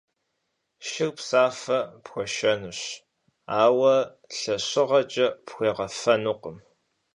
Шыр псафэ пхуэшэнущ, ауэ лъэщыгъэкӏэ пхуегъэфэнукъым.